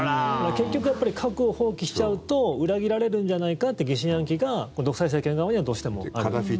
結局、核を放棄しちゃうと裏切られるんじゃないかって疑心暗鬼が独裁政権側にはどうしてもあると。